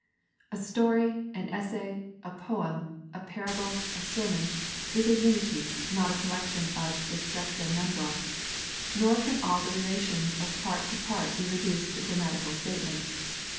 A story, an essay, a poem, a parable, a sermon, is a unity, not a collection of disjecta membra, nor can all the relations of part to part be reduced to grammatical statement.